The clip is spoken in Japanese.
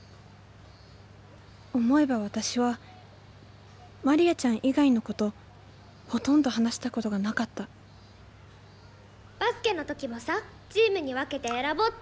思えば私はマリアちゃん以外の子とほとんど話したことがなかったバスケの時もさチームに分けて選ぼうって決めたの金本さんじゃん。